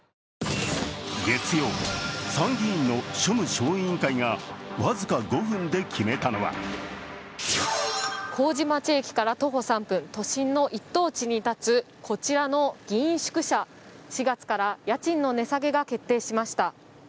月曜、参議院の庶務小委員会が僅か５分で決めたのは麹町駅から徒歩３分、都心の一等地に立つこちらの議員宿舎、４月から家賃の値下げが決定しました。